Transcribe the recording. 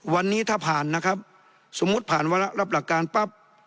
วันนี้ถ้าผ่านนะครับสมมุติผ่านวาระรับหลักการปั๊บ